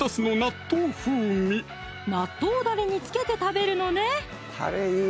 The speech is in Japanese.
納豆だれにつけて食べるのね！